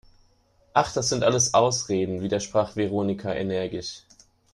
Ach, das sind alles Ausreden, widersprach Veronika energisch.